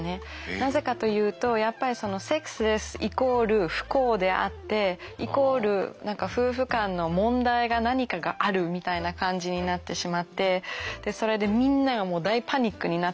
なぜかと言うとやっぱりセックスレスイコール不幸であってイコール何か夫婦間の問題が何かがあるみたいな感じになってしまってそれでみんながもう大パニックになってしまうんですね。